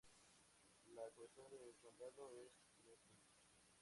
La cabecera del condado es Springfield.